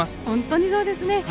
本当にそうですね。